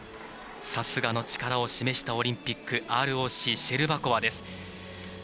さすがの力を示したオリンピックＲＯＣ、シェルバコワです。